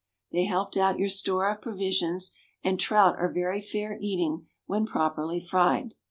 They helped out your store of provisions, and trout are very fair eating when properly fried.